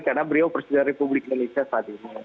karena beliau presiden republik indonesia saat ini